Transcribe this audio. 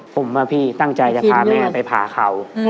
ผมพี่ตั้งใจจะพาแม่ไปผ่าเขา